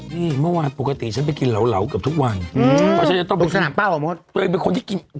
นี่เมื่อวานปกติฉันไปกินเหลากับทุกวัน